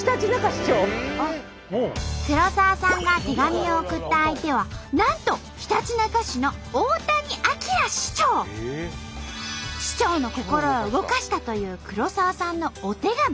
黒沢さんが手紙を送った相手はなんと市長の心を動かしたという黒沢さんのお手紙。